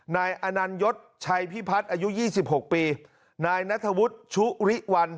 นายอนันยศชัยพิพัฒน์อายุ๒๖ปีนายนัทวุฒิชุริวัล